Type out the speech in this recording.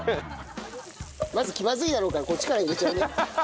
まず気まずいだろうからこっちから入れちゃうね。